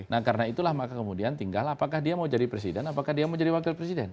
nah karena itulah maka kemudian tinggal apakah dia mau jadi presiden apakah dia mau jadi wakil presiden